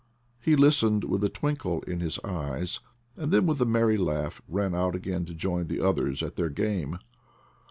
He listened with a twinkle in his eyes, then with a merry laugh ran out again to join the others at their game.